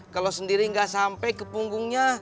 kalau sendiri nggak sampai ke punggungnya